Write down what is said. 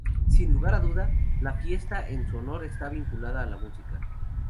Sin lugar a duda, la fiesta en su honor está vinculada a la música.